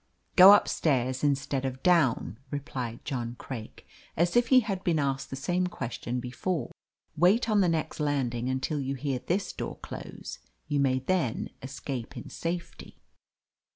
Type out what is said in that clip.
"Go upstairs instead of down," replied John Craik, as if he had been asked the same question before. "Wait on the next landing until you hear this door close; you may then escape in safety."